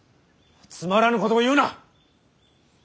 つまらぬことを言うな。